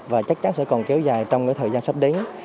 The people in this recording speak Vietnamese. và chắc chắn sẽ còn kéo dài trong thời gian sắp đến